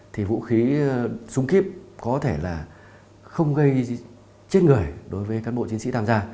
thì vũ khí súng kíp có thể là không gây chết người đối với cán bộ chiến sĩ tham gia